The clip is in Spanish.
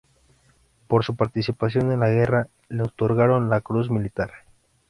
Por su participación en la guerra, le otorgaron la Cruz Militar.